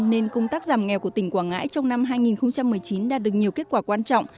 nên công tác giảm nghèo của tỉnh quảng ngãi trong năm hai nghìn một mươi chín đã được nhiều kết quả quan trọng